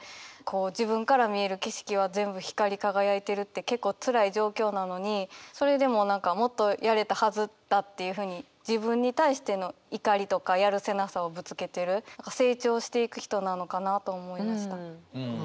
自分から見える景色は全部光り輝いてるって結構つらい状況なのにそれでも何か「もっとやれたはずだ」っていうふうに自分に対しての怒りとかやるせなさをぶつけてる成長していく人なのかなと思いました。